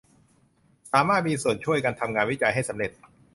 สามารถมีส่วนช่วยกันทำงานวิจัยให้สำเร็จ